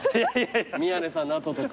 宮根さんの後とか。